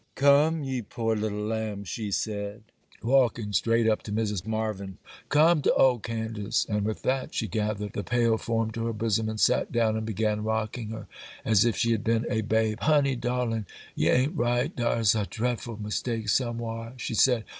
'Come, ye poor little lamb,' she said, walking straight up to Mrs. Marvyn, 'come to ole Candace!'—and with that she gathered the pale form to her bosom, and sat down and began rocking her, as if she had been a babe. 'Honey, darlin', ye a'n't right, dar's a drefful mistake somewhar,' she said.